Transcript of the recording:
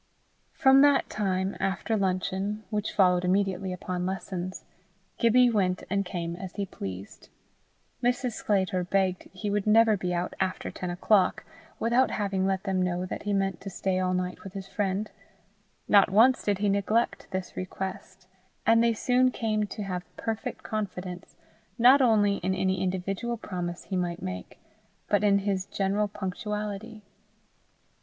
From that time, after luncheon, which followed immediately upon lessons, Gibbie went and came as he pleased. Mrs. Sclater begged he would never be out after ten o'clock without having let them know that he meant to stay all night with his friend: not once did he neglect this request, and they soon came to have perfect confidence not only in any individual promise he might make, but in his general punctuality.